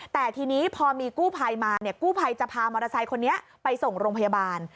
แต่ทีนี้พอมีกู้ภัยมาเนี่ยกู้ภัยจะพามอเตอร์ไซค์คนนี้ไปส่งโรงพยาบาล